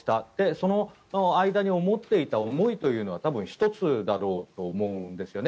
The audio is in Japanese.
その間に思っていた思いというのは多分１つだろうと思うんですよね。